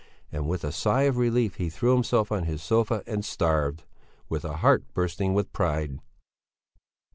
And with a sigh of relief he threw himself on his sofa and starved, with a heart bursting with pride.